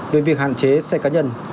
về việc hạn chế xe cá nhân